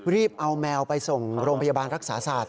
รีบเอาแมวไปส่งโรงพยาบาลรักษาศาสต